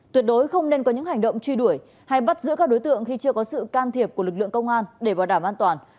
tuyệt đối không nên có những hành động truy đuổi hay bắt giữ các đối tượng khi chưa có sự can thiệp của lực lượng công an để bảo đảm an toàn